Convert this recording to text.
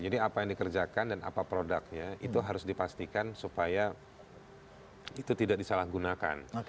apa yang dikerjakan dan apa produknya itu harus dipastikan supaya itu tidak disalahgunakan